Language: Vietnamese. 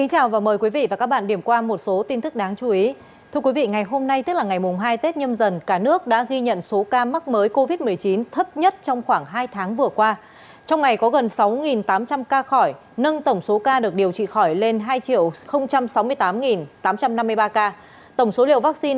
hãy đăng ký kênh để ủng hộ kênh của chúng mình nhé